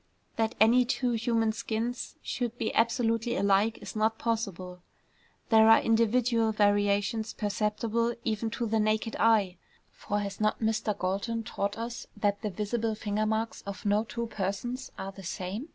That any two human skins should be absolutely alike is not possible. There are individual variations perceptible even to the naked eye, for has not Mr. Galton taught us that the visible finger marks of no two persons are the same?